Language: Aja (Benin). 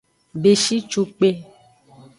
Beshicukpe.